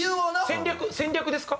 戦略戦略ですか？